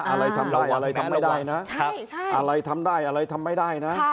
อะไรทำได้อะไรทำไม่ได้น่ะใช่ใช่อะไรทำได้อะไรทำไม่ได้น่ะค่ะ